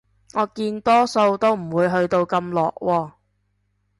我見多數都唔會去到咁落喎